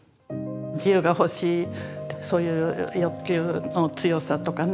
自由が欲しいそういう欲求の強さとかね